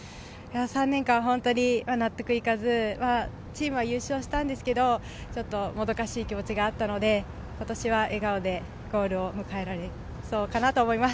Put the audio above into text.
３年間納得いかず、チームは優勝したんですけど、もどかしい気持ちがあったので今年は笑顔でゴールを迎えられそうかなと思います。